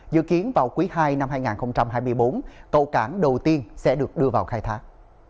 dự kiến vào quý ii năm hai nghìn hai mươi bốn cầu cảng đầu tiên sẽ được đưa vào khai thác